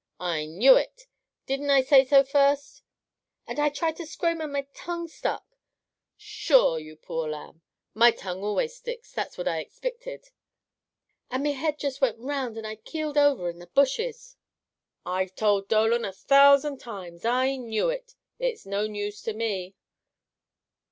"I knew it! Didn't I say so first?" "And I tried to scrame and me tongue stuck " "Sure! You poor lamb! My tongue always sticks! Just what I ixpicted!" "And me head just went round and I keeled over in the bushes " "I've told Dolan a thousand times! I knew it! It's no news to me!"